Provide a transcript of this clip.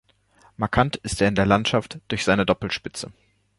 Markant ist er in der Landschaft durch seine Doppelspitze.